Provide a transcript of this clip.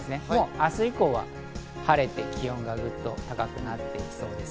明日以降は晴れて気温がぐっと高くなってきそうです。